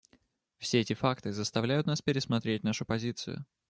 Все эти факты заставляют нас пересмотреть нашу позицию.